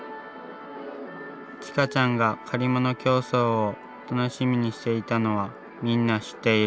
ちかちゃんが借り物競走を楽しみにしていたのはみんな知っている。